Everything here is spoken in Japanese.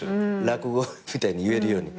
落語みたいに言えるように。